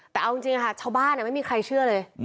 แต่เอาจริงค่ะชาวบ้านไม่มีใครเชื่อเลย